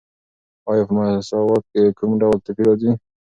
آیا په مساوات کې کوم ډول توپیر راځي؟